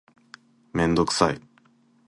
メンドクサイ